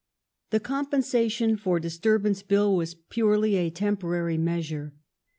The Compensation for Disturbance Bill was purely a temporary measure.